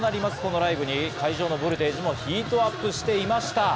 ライブに会場のボルテージもヒートアップしていました。